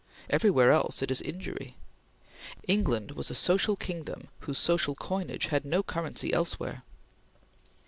Everywhere else it is injury. England was a social kingdom whose social coinage had no currency elsewhere.